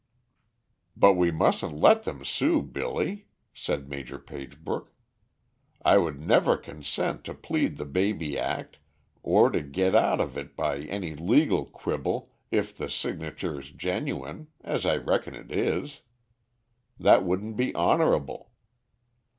"But we mustn't let them sue, Billy," said Major Pagebrook. "I would never consent to plead the baby act or to get out of it by any legal quibble if the signature is genuine, as I reckon it is. That wouldn't be honorable.